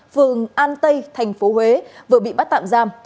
phường an tây thành phố huế vừa bị bắt tạm giam